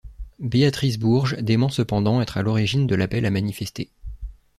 Béatrice Bourges dément cependant être à l'origine de l'appel à manifester.